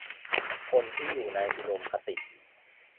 คนที่อยู่ในอุดมคติ